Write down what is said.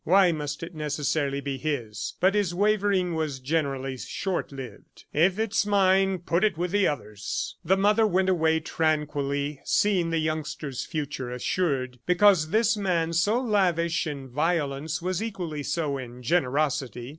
Why must it necessarily be his? ... But his wavering was generally short lived. "If it's mine, put it with the others." The mother went away tranquilly, seeing the youngster's future assured, because this man so lavish in violence was equally so in generosity.